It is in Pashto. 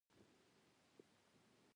مداخلې ته یې تشویقاوه.